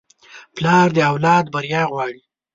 پلار د اولاد بریا غواړي.